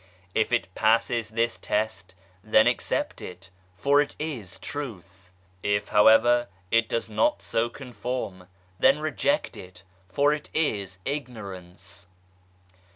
If it passes this test, then accept it, for it is Truth ! If, however, it does not so conform, then reject it, for it is ignorance